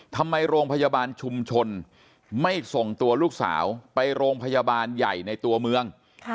ทำไมโรงพยาบาลชุมชนไม่ส่งตัวลูกสาวไปโรงพยาบาลใหญ่ในตัวเมือง